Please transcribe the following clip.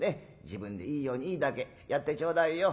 自分でいいようにいいだけやってちょうだいよ」。